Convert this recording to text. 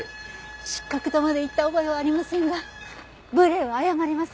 失格とまで言った覚えはありませんが無礼は謝ります。